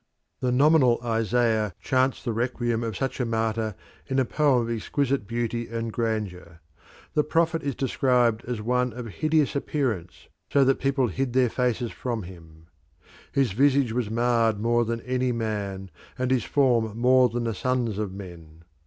The nominal Isaiah chants the requiem of such a martyr in a poem of exquisite beauty and grandeur. The prophet is described as one of hideous appearance, so that people hid their faces from him. "His visage was marred more than any man, and his form more than the sons of men."